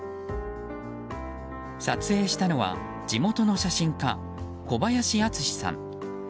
撮影したのは、地元の写真家小林淳さん。